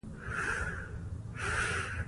د کلیزو منظره د افغانانو د ګټورتیا برخه ده.